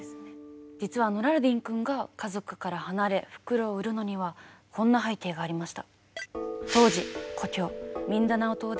実はノラルディンくんが家族から離れ袋を売るのにはこんな背景がありました。